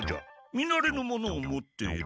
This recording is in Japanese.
見なれぬものを持っている。